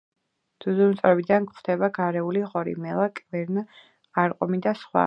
ძუძუმწოვრებიდან გვხვდება: გარეული ღორი, მელა, კვერნა, ყარყუმი და სხვა.